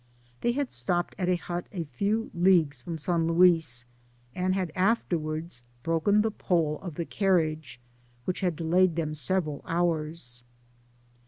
They had stopped at a hut a few leagues from San Luis, and had afterwards broken the pole 0t the carriage, which had delayed them several hours.